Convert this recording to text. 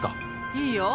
いいよ。